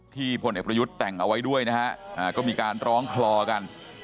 พลเอกประยุทธ์แต่งเอาไว้ด้วยนะฮะก็มีการร้องคลอกัน